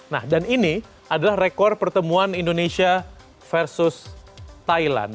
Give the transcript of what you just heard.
nah dan ini adalah rekor pertemuan indonesia versus thailand